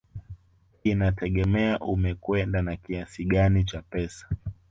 Inategemea umekwenda na kiasi gani cha pesa